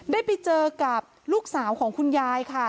ได้ไปเจอกับลูกสาวของคุณยายค่ะ